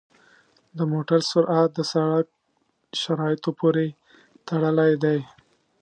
د موټر سرعت د سړک شرایطو پورې تړلی دی.